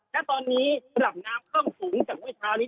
และตอนนี้ระดับน้ำเข้มสูงจากเมื่อเช้านี้